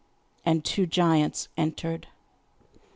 And two giants entered.